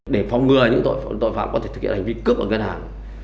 để phòng ngừa những tội phạm có thể thực hiện hành vi cướp ở ngân hàng